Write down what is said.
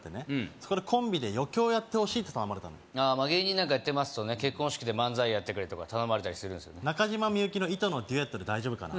そこでコンビで余興やってほしいって頼まれたの芸人なんかやってますと結婚式で漫才やってくれとか頼まれたり中島みゆきの「糸」のデュエットで大丈夫かな？